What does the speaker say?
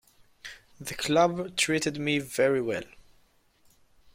The club treated me very well.